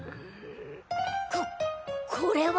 ここれは。